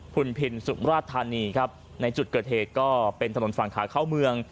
คุณพินสุมราชธานีครับในจุดเกิดเหตุก็เป็นถนนฝั่งขาเข้าเมือง